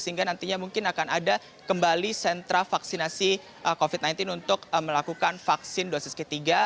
sehingga nantinya mungkin akan ada kembali sentra vaksinasi covid sembilan belas untuk melakukan vaksin dosis ketiga